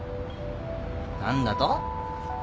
何だと！？